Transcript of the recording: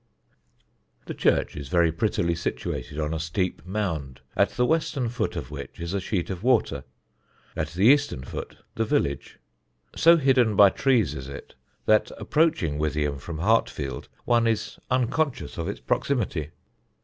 The church is very prettily situated on a steep mound, at the western foot of which is a sheet of water; at the eastern foot, the village. So hidden by trees is it that approaching Withyham from Hartfield one is unconscious of its proximity.